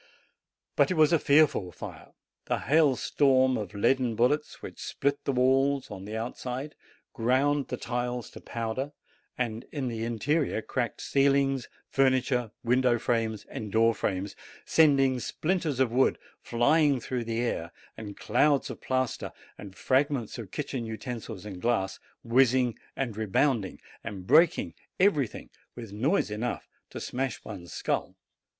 But it was a fearful fire, a hailstorm of leaden bullets, which split the walls on the outside, ground the tiles to powder, and in the interior cracked ceilings, furniture, window frames, and door frames, sending splinters of wood flying through the air, and clouds of plaster, and fragments of kitchen utensils and glass, whizzing, and rebounding, and breaking everything with noise enough to smash one's skull.